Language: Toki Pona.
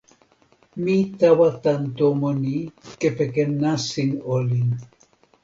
mi tawa tan tomo ni kepeken nasin olin.